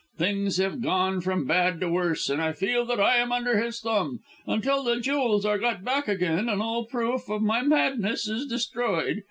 Things have gone from bad to worse, and I feel that I am under his thumb, until the jewels are got back again and all proof of my madness is destroyed.